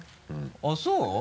あぁそう？